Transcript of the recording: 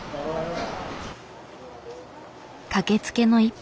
かけつけの一杯。